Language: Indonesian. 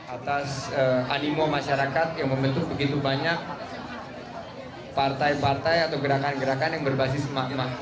atas animo masyarakat yang membentuk begitu banyak partai partai atau gerakan gerakan yang berbasis emak emak